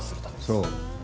そう。